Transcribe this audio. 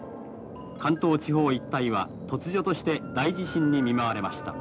関東地方一帯は突如として大地震に見舞われました。